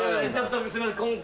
すいません今回は。